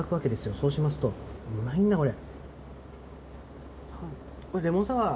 そうしますとうまいんだこれ。